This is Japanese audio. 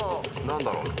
何だろうね？